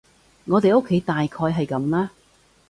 我哋屋企大概係噉啦